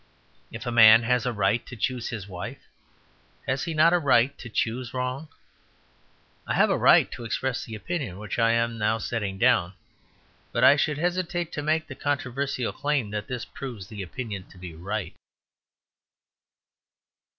If a man has a right to choose his wife, has he not a right to choose wrong? I have a right to express the opinion which I am now setting down; but I should hesitate to make the controversial claim that this proves the opinion to be right.